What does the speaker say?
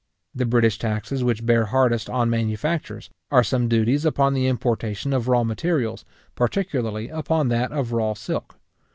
The British taxes which bear hardest on manufactures, are some duties upon the importation of raw materials, particularly upon that of raw silk.